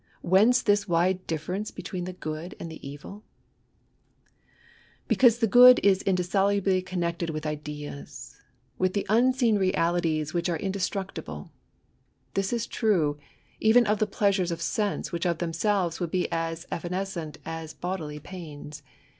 whence this wide difference between the good and the evil ? Because the good is indissolubly connected widi GOOD AND EVIL. O ideas — ^with llie unseen realities which are inde* stxuctible. This is true, even of those pleasurei !oi sense which of themselves would be as evanes* cent as bodily pains.